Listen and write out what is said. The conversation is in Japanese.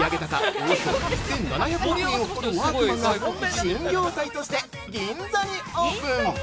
およそ１７００億円を誇るワークマンが、新業態として銀座にオープン。